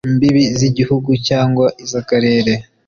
mbibi z igihugu cyangwa iz akarere